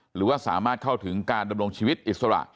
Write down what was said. หรือว่าสามารถเข้าถึงการดำรงชีวิตอิสระ